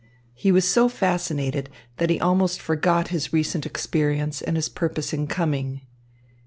He was so fascinated that he almost forgot his recent experience and his purpose in coming.